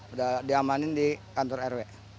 udah diamanin di kantor rw